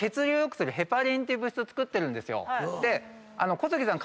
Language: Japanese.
小杉さん